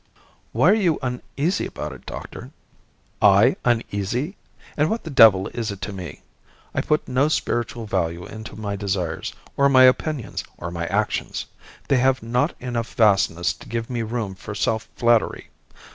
"Why are you uneasy about it, doctor?" "I uneasy! And what the devil is it to me? I put no spiritual value into my desires, or my opinions, or my actions. They have not enough vastness to give me room for self flattery.